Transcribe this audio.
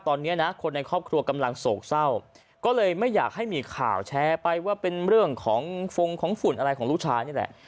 ตอนนี้นะคนในครอบครัวกำลังโศกเศร้าก็เลยไม่อยากให้มีข่าวแชร์ไปว่าเป็นเรื่องของฟงของฝุ่นอะไรของลูกชายนี่แหละ